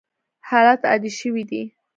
حالات عادي شوي دي.